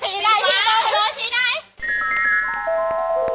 สีไหนพี่กองไปเลยสีไหน